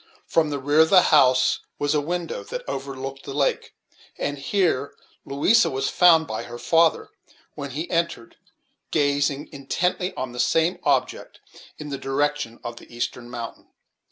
From the rear of the house was a window that overlooked the lake; and here Louisa was found by her father, when he entered, gazing intently on some object in the direction of the eastern mountain.